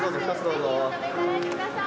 どうぞ。